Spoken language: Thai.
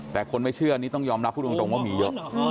แต่คนไม่เชื่อนี่ต้องยอมรับพูดตรงว่ามีเยอะ